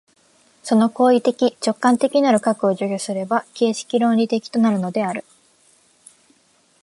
その行為的直観的なる核を除去すれば形式論理的となるのである。